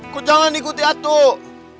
kau jangan ikuti atuk